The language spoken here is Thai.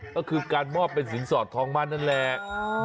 ก็คือการมอบเป็นสินสอดทองมั่นนั่นแหละ